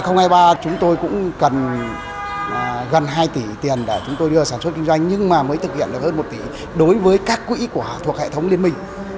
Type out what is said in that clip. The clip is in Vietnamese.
năm hai nghìn hai mươi ba chúng tôi cũng cần gần hai tỷ tiền để chúng tôi đưa sản xuất kinh doanh nhưng mà mới thực hiện được hơn một tỷ đối với các quỹ của thuộc hệ thống liên minh